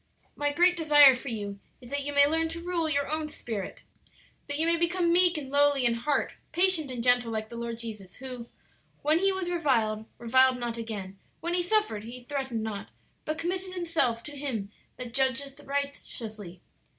My great desire for you is that you may learn to rule your own spirit; that you may become meek and lowly in heart, patient and gentle like the Lord Jesus, 'who when He was reviled, reviled not again; when He suffered, He threatened not; but committed Himself to Him that judgeth righteously.'